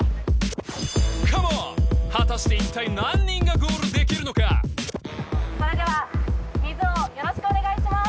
カモン果たして一体それでは水王よろしくお願いします